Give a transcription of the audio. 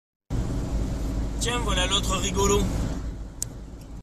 Tiens, voilà l'autre rigolo!